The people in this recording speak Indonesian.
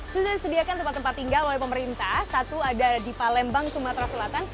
sudah disediakan tempat tempat tinggal oleh pemerintah satu ada di palembang sumatera selatan